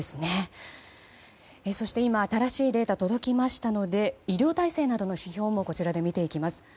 そして今新しいデータが届きましたので医療体制などの指標も見ていきます。